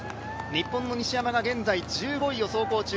日本の西山が現在１５位を走行中。